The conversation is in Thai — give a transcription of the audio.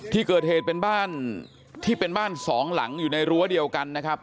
ที่เกิดเหตุเป็นบ้านที่เป็นบ้านสองหลังอยู่ในรั้วเดียวกันนะครับ